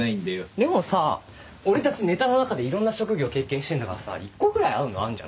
でもさ俺たちネタの中でいろんな職業経験してんだからさ１個ぐらい合うのあんじゃない？